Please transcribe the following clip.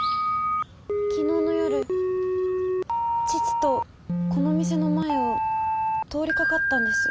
昨日の夜父とこの店の前を通りかかったんです。